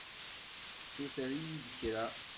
Tessuter-iyi-d kra.